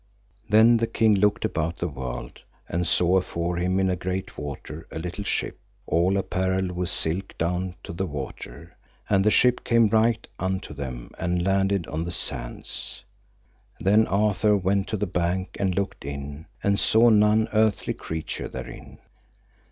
Then the king looked about the world, and saw afore him in a great water a little ship, all apparelled with silk down to the water, and the ship came right unto them and landed on the sands. Then Arthur went to the bank and looked in, and saw none earthly creature therein.